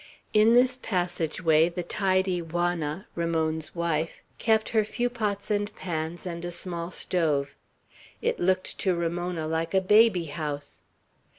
In this passage way the tidy Juana, Ramon's wife, kept her few pots and pans, and a small stove. It looked to Ramona like a baby house.